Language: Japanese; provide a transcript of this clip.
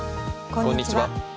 こんにちは。